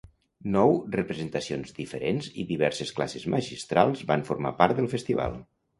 Nou representacions diferents i diverses classes magistrals van formar part del festival.